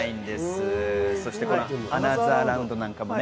『アナザーラウンド』なんかもね。